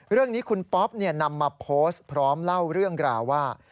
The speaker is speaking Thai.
เรื่องนี้คุณป๊อปนำมาโพสต์พร้อมเล่าเรื่องราวว่า